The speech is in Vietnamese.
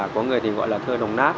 có người thì gọi là thơ đồng nát